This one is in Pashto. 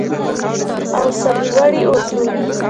او سرلوړي اوسو.